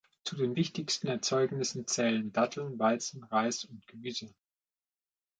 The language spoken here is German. Zu den wichtigsten Erzeugnissen zählen Datteln, Weizen, Reis und Gemüse.